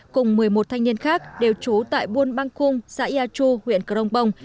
cùng một mươi một thanh niên khác đều trú tại buôn bang khung xã yà chu huyện crong bông